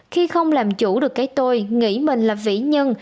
khi không làm chủ được cái tôi nghĩ mình là vĩ nhân